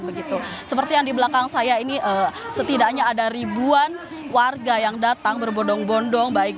begitu seperti yang di belakang saya ini setidaknya ada ribuan warga yang datang berbondong bondong